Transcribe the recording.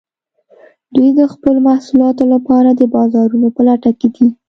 دوی د خپلو محصولاتو لپاره د بازارونو په لټه کې دي